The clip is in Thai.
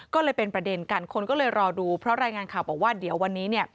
ก็เลยเป็นประเด็นกันคนก็เลยรอดูเพราะรายงานข่าวบอกว่าเดี๋ยววันนี้เนี่ย